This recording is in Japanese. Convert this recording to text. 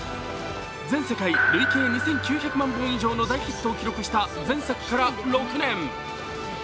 全世界累計２９００万本以上の大ヒットを記録した前作から６年。